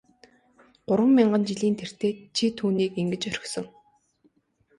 Гурван мянган жилийн тэртээд чи түүнийг ингэж орхисон.